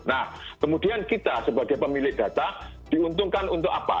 nah kemudian kita sebagai pemilik data diuntungkan untuk apa